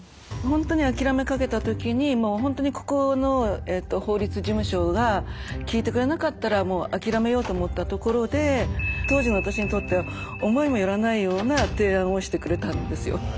ほんとに諦めかけた時にほんとにここの法律事務所が聞いてくれなかったらもう諦めようと思ったところで当時の私にとっては思いもよらないような提案をしてくれたんですよ。